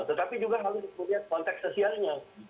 tetapi juga harus melihat konteks sosialnya